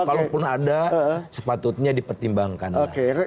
kalau pun ada sepatutnya dipertimbangkan lah